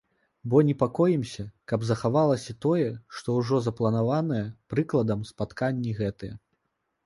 Бо непакоімся, каб захавалася тое, што ўжо запланаванае, прыкладам, спатканні гэтыя.